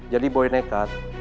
jadi boy nekat